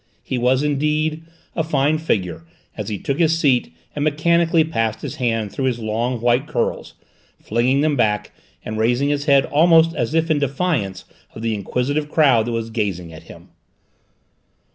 He was, indeed, a fine figure as he took his seat and mechanically passed his hand through his long white curls, flinging them back and raising his head almost as if in defiance of the inquisitive crowd that was gazing at him.